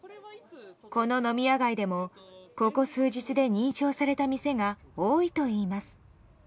この飲み屋街でもここ数日で認証された店が多いといいます。